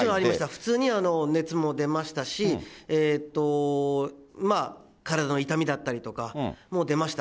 普通に熱も出ましたし、体の痛みだったりとかも出ました。